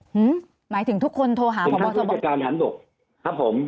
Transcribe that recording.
หือหมายถึงทุกคนโทรหาผมว่าจะบอกถึงท่านผู้บัญชาการอาหารบกครับผม